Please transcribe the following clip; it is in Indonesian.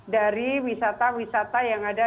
dari wisata wisata yang ada